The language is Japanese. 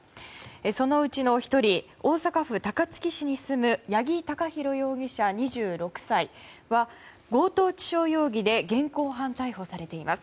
そのうちの１人大阪府高槻市に住む八木貴寛容疑者、２６歳は強盗致傷容疑で現行犯逮捕されています。